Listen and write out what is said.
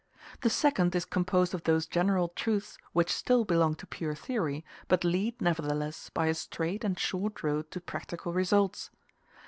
The second is composed of those general truths which still belong to pure theory, but lead, nevertheless, by a straight and short road to practical results.